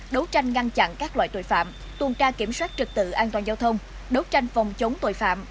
đấu tranh ngăn chặn các loại tội phạm tuần tra kiểm soát trực tự an toàn giao thông đấu tranh phòng chống tội phạm